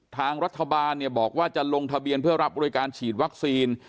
ทางรัฐบาลบอกว่าจะลงทะเบียนเพื่อรับบริการฉีดวัคซีน